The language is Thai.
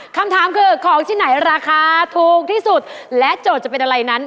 คำถามคือของที่ไหนราคาถูกที่สุดและโจทย์จะเป็นอะไรนั้น